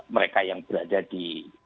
mereka yang berada di